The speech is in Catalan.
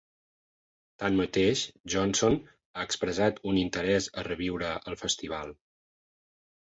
Tanmateix, Johnson ha expressat un interès a reviure el festival.